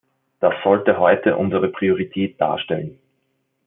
Das sollte heute unsere Priorität darstellen.